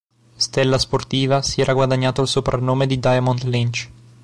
Stella sportiva, si era guadagnato il soprannome di "Diamond Lynch".